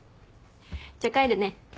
じゃあ帰るね。